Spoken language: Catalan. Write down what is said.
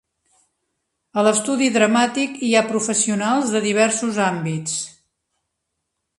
A l'Estudi dramàtic hi ha professionals de diversos àmbits.